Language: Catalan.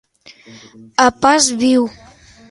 A pas viu.